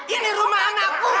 ini rumah anakku